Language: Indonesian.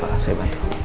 mari pak saya bantu